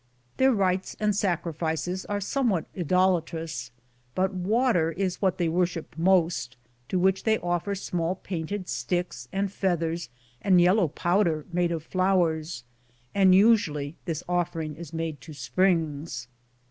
Their rites and sacrifices are somewhat idolatrous, but water is what they worship most, to which they offer small painted sticks and feathers and yellow powder made of flowers, and usually this offering ia made to springs.